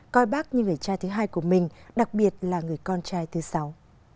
coi bác như người trai thứ hai của mình đặc biệt là người con trai thứ sáu